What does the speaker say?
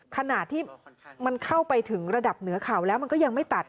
ขณะที่มันเข้าไปถึงระดับเหนือเข่าแล้วมันก็ยังไม่ตัด